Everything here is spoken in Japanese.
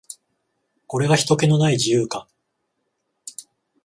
これがひとけの無い理由か。